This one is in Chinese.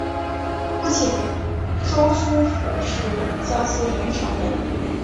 父亲周书府是江苏盐城人。